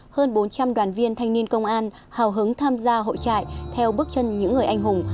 hơn bốn trăm linh đoàn viên thanh niên công an hào hứng tham gia hội trại theo bước chân những người anh hùng